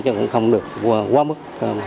chứ cũng không được quá mức